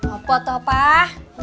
apa tuh pak